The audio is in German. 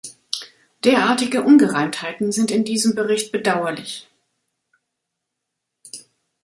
Derartige Ungereimtheiten sind in diesem Bericht bedauerlich.